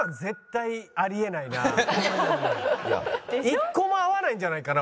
一個も合わないんじゃないかな